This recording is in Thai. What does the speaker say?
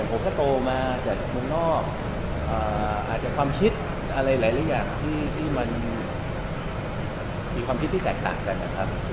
ผมก็โตมาจากเมืองนอกอาจจะความคิดอะไรหลายอย่างที่มันมีความคิดที่แตกต่างกันนะครับ